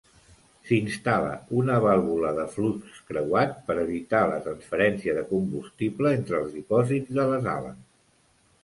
S'instal·la una vàlvula de flux creuat per evitar la transferència de combustible entre els dipòsits de les ales.